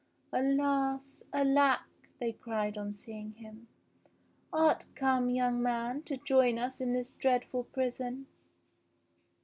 "Alas! Alack!" they cried on seeing him. *'Art come, young man, to join us in this dreadful prison